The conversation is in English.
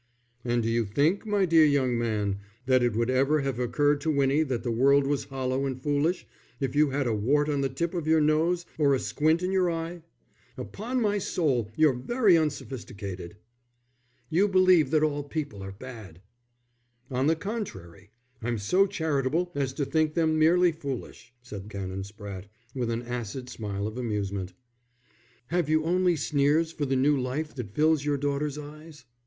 "And do you think, my dear young man, that it would ever have occurred to Winnie that the world was hollow and foolish, if you had a wart on the tip of your nose, or a squint in your eye? Upon my soul, you're very unsophisticated." "You believe that all people are bad." "On the contrary, I'm so charitable as to think them merely foolish," said Canon Spratte, with an acid smile of amusement. "Have you only sneers for the new life that fills your daughter's eyes?